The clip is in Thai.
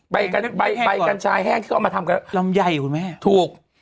ใบกัญชาแห้งที่เขาเอามาทำกันลำไยอยู่ไหมถูก